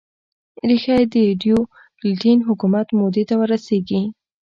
ریښه یې د ډیوکلتین حکومت مودې ته ور رسېږي.